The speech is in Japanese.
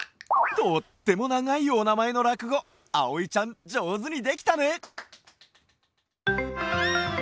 とってもながいおなまえのらくごあおいちゃんじょうずにできたね！